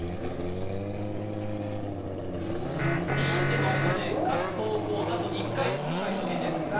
Ｔではありません、各高校、あと１回ずつの解答権です。